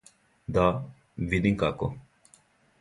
Да, видим како.